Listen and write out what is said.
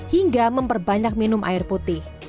hingga memperbanyak minum air putih